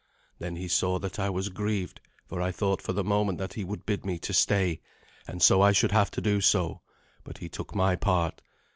Then he saw that I was grieved, for I thought for the moment that he would bid me to stay, and so I should have to do so; but he took my part.